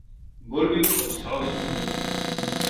Volven os sábados culturais.